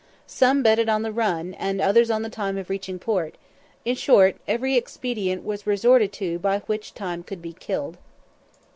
Some betted on the "run," and others on the time of reaching port; in short, every expedient was resorted to by which time could be killed.